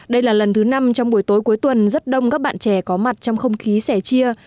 đây là lần thứ năm trong buổi tối cuối tuần rất đông các bạn trẻ có mặt trong không khí sẻ chia